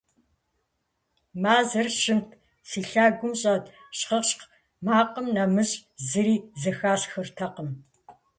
Мэзыр щымт, си лъэгум щӏэт щхъыщхъ макъым нэмыщӏ зыри зэхэсхыртэкъым.